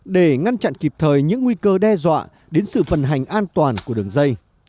để ngăn chặn kịp thời những nguy cơ đe dọa đến sự vận hành an toàn của đường dây